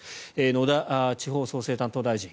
野田地方創生担当大臣。